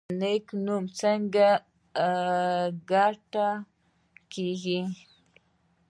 نیک نوم څنګه ګټل کیږي؟